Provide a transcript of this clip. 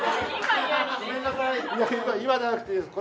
今じゃなくていいです。